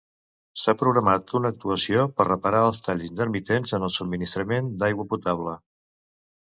S'ha programat una actuació per reparar els talls intermitents en el subministrament d'aigua potable.